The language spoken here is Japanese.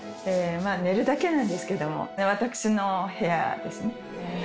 まあ寝るだけなんですけども私の部屋ですね。